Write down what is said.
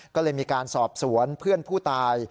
ก็เลยมีการสอบสวนเพื่อนผู้ตาย